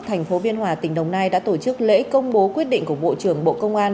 thành phố biên hòa tỉnh đồng nai đã tổ chức lễ công bố quyết định của bộ trưởng bộ công an